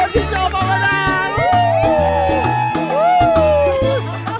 cucu opa menang